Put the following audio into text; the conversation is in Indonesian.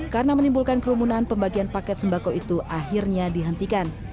karena menimbulkan kerumunan pembagian paket sembako itu akhirnya dihentikan